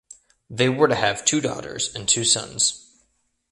They were to have two daughters and two sons.